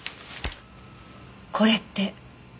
これって。